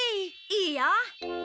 いいよ。